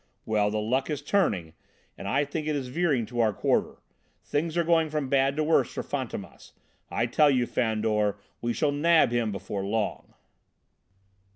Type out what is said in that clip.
Well, the luck is turning, and I think it is veering to our quarter. Things are going from bad to worse for Fantômas. I tell you, Fandor, we shall nab him before long!"